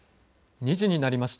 ２時になりました。